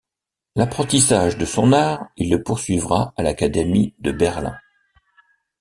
L'apprentissage de son art, il le poursuivra à l'Académie de Berlin.